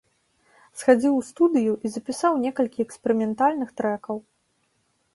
Схадзіў у студыю і запісаў некалькі эксперыментальных трэкаў.